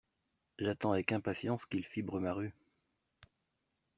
J’attends avec impatience qu’ils fibrent ma rue.